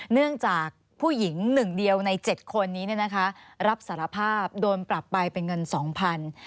เนื่องจากผู้หญิง๑เดียวใน๗คนนี้รับสารภาพโดนปรับไปเป็นเงิน๒๐๐บาท